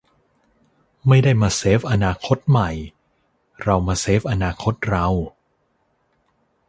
'ไม่ได้มาเซฟอนาคตใหม่ เรามาเซฟอนาคตเรา'